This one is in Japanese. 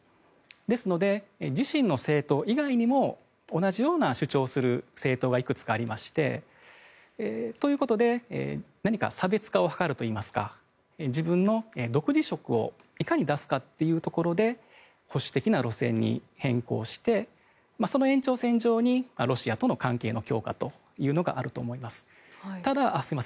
ですので、自身の政党以外にも同じような主張をする政党がいくつかありましてということで何か差別化を図るといいますか自分の独自色をいかに出すかというところで保守的な路線に変更してその延長線上にロシアとの関係の強化というのがあると思います。